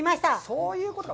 そういうことか。